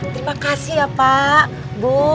terima kasih ya pak bu